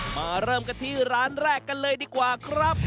มาเริ่มต้นกันเลยกันเลยดีกว่าครับ